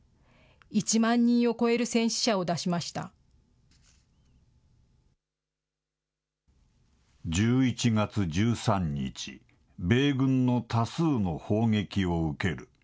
１万人を超える戦死者を出しまし１１月１３日、米軍の多数の砲撃を受ける。